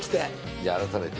じゃあ、改めて。